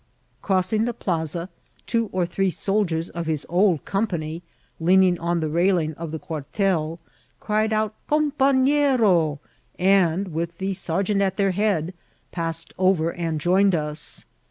Crossing the plaza, two or three soldiers of his old company, leaning on the railing of the quartel, cried out companero, and, with the sergeant at their head, passed over and joined us.